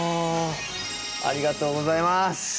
ありがとうございます。